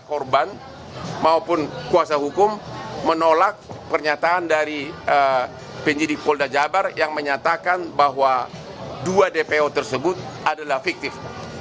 korban maupun kuasa hukum menolak pernyataan dari penyidik polda jabar yang menyatakan bahwa dua dpo tersebut adalah fiktif